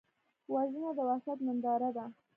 وژنه د وحشت ننداره ده